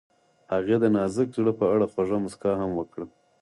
هغې د نازک زړه په اړه خوږه موسکا هم وکړه.